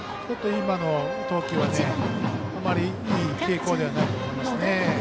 今の投球は、あまりいい傾向ではないと思いますね。